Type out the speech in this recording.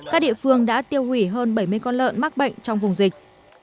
các địa phương đã tiêu hủy hơn bảy mươi con lợn mắc bệnh trong vùng dịch